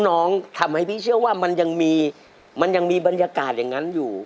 ทำให้พี่เชื่อว่ามันยังมีมันยังมีบรรยากาศอย่างนั้นอยู่